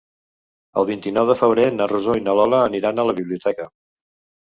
El vint-i-nou de febrer na Rosó i na Lola aniran a la biblioteca.